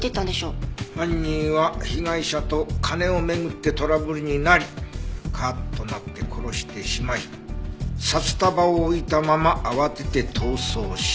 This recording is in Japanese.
犯人は被害者と金を巡ってトラブルになりカーッとなって殺してしまい札束を置いたまま慌てて逃走したとか？